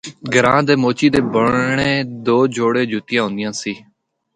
گراں دے موچی دے بنڑے دو جوڑے جُتیاں ہوندیاں سی۔